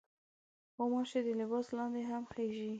غوماشې د لباس لاندې هم خېژي.